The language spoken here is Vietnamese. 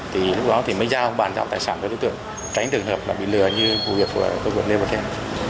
thì lúc đó mới giao bàn giao tài sản cho đối tượng tránh trường hợp bị lừa như vụ việc của lê bảo khen